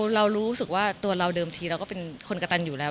เรารู้สึกว่าตัวเราเดิมทีเราก็เป็นคนกระตันอยู่แล้ว